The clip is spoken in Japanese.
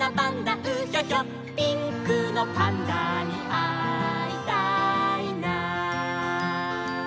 「ピンクのパンダにあいたいな」